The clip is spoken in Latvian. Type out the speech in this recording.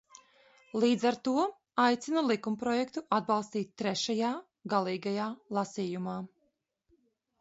Līdz ar to aicinu likumprojektu atbalstīt trešajā, galīgajā, lasījumā.